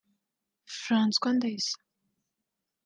François Ndayisaba